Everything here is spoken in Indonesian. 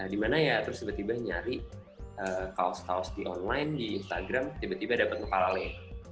dimana ya terus tiba tiba nyari kaos kaos di online di instagram tiba tiba dapet parale